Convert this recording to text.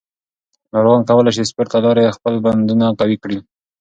ناروغان کولی شي د سپورت له لارې خپل بندونه قوي کړي.